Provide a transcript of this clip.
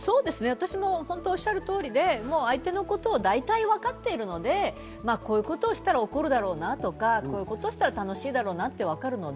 私もおっしゃる通りで相手のことを大体わかっているので、こういうことをしたら怒るだろうなとか、こういうことをしたら楽しいだろうなってわかるので。